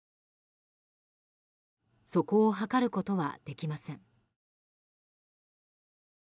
そこをはかることはできません。